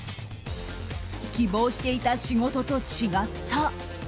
希望していた仕事と違った。